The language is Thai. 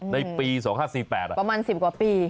ในปี๒๕๔๘ประมาณ๑๐กว่าปี